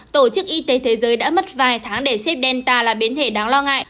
tổ chức y tế thế giới đã mất vài tháng để xếp delta là biến thể đáng lo ngại